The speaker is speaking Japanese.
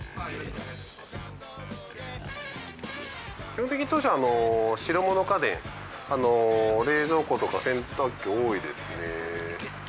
基本的に当社は白物家電冷蔵庫とか洗濯機多いですね。